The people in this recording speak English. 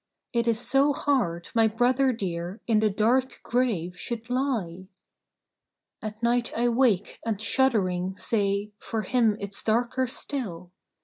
It is so hard my brother dear In the dark grave should lie ! "At night I wake and shuddering say, For him it's darker still.